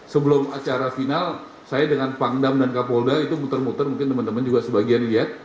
sebelum acara final saya dengan pangdam dan kapolda itu muter muter mungkin teman teman juga sebagian lihat